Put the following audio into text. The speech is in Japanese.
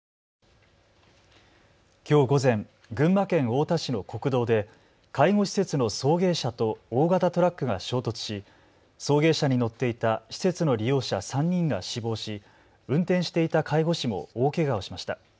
きょう午前、群馬県太田市の国道で介護施設の送迎車と大型トラックが衝突し送迎車に乗っていた施設の利用者３人が死亡し運転していた介護士も大けがをしました。